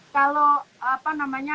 kalau apa namanya